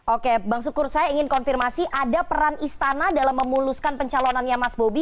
oke bang sukur saya ingin konfirmasi ada peran istana dalam memuluskan pencalonannya mas bobi